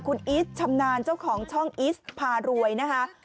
คุณอีชชำนาญเจ้าของช่องอีสพารวยนะคะ